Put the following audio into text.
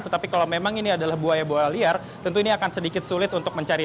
tetapi kalau memang ini adalah buaya buaya liar tentu ini akan sedikit sulit untuk mencari